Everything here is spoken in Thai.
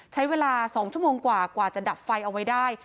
ใช้เวลา๒ชั่วโมงกว่ากว่าจะดับไฟเอาไว้ได้